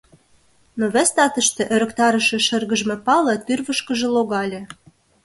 Но вес татыште ӧрыктарыше шыргыжме пале тӱрвышкыжӧ логале.